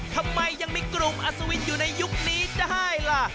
ทำไมยังมีกลุ่มอัศวินอยู่ในยุคนี้ได้ล่ะ